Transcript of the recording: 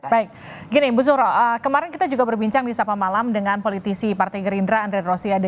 baik gini bu suro kemarin kita juga berbincang di sapa malam dengan politisi partai gerindra andre rosiade